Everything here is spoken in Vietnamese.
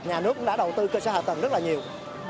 nhà nước cũng đã đầu tư cơ sở hạ tầng rất là nhiều